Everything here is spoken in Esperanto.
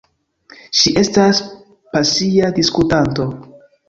Ŝi estas pasia diskutanto.